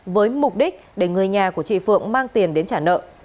với mục đích để người nhà của chị phượng mang tiền đến trả nợ